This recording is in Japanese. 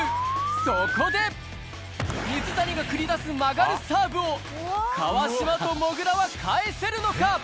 そこで、水谷が繰り出す曲がるサーブを、川島ともぐらは返せるのか？